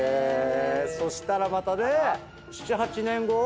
そしたらまたね。